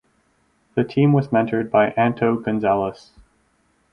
The team was mentored by Anto Gonzales.